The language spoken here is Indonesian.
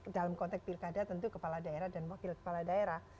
dalam konteks pilkada tentu kepala daerah dan wakil kepala daerah